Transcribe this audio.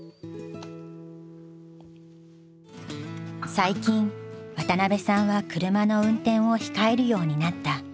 最近渡邉さんは車の運転を控えるようになった。